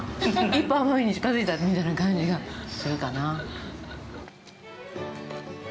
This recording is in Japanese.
一歩奄美に近づいたみたいな感じがするかな。